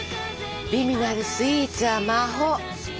美味なるスイーツは魔法。